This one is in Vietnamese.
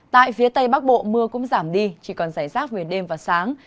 tại phía tây bắc bộ mưa cũng giảm đi chỉ còn giải rác về đêm và sáng